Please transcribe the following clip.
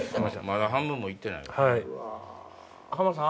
まだ半分も行ってないから。